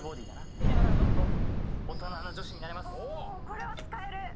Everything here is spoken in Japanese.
これは使える！